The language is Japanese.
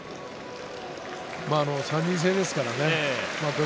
３人制ですからね。